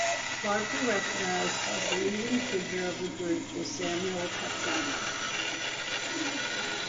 Largely recognised as the leading figure of the group was Samuel Peploe.